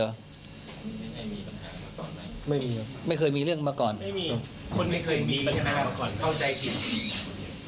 ไม่มีเหรอไม่เคยมีเรื่องมาก่อนไม่มีคนไม่เคยมีปัญหามาก่อนเข้าใจผิด